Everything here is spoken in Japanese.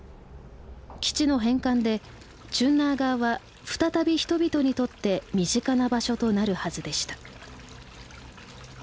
基地の返還でチュンナーガーは再び人々にとって身近な場所となるはずでした。